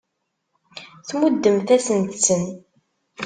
Tmuddemt-asent-ten.